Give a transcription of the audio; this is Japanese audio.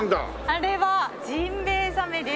あれはジンベエザメです。